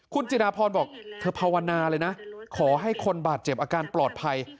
คุณจิดาพรบอกเธอภาวนาเลยนะขอให้คนบาดเจ็บอาการปลอดภัย